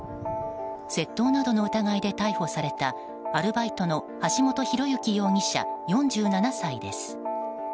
窃盗などの疑いで逮捕されたアルバイトの橋本寛之容疑者、４７歳です。